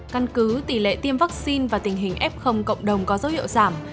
căn cứ tỷ lệ tiêm vaccine và tình hình f cộng đồng có dấu hiệu giảm